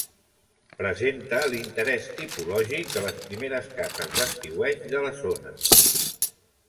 Presenta l'interès tipològic de les primeres cases d'estiueig de la zona.